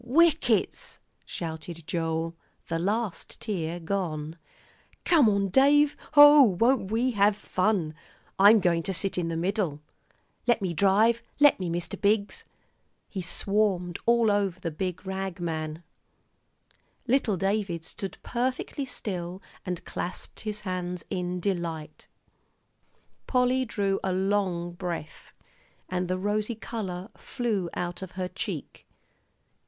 "Whickets!" shouted Joel, the last tear gone. "Come on, Dave. Oh, won't we have fun! I'm going to sit in the middle. Let me drive. Let me, Mr. Biggs." He swarmed all over the big rag man. Little David stood perfectly still and clasped his hands in delight. [Illustration: "'WHICKETS!' SHOUTED JOEL, THE LAST TEAR GONE"] Polly drew a long breath, and the rosy color flew out of her cheek.